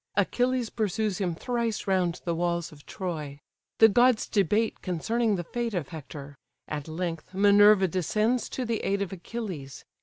Achilles pursues him thrice round the walls of Troy. The gods debate concerning the fate of Hector; at length Minerva descends to the aid of Achilles.